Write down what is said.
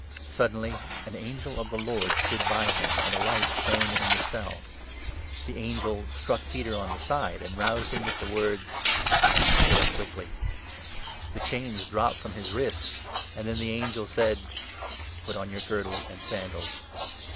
Suddenly an angel of the Lord stood by him, and a 7 light shone in the cell. The angel struck Peter on the side, and roused him with the words :" Get up quickly." The chains dropped from his wrists, and then the angel said : 8 " Put on your girdle and sandals."